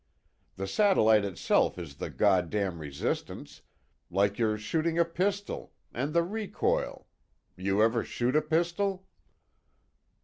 The satellite itself is the God damn resistance, like you're shooting a pistol, and the recoil you ever shoot a pistol?"